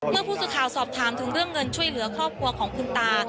เมื่อผู้สื่อข่าวสอบถามถึงเรื่องเงินช่วยเหลือครอบครัวของคุณตา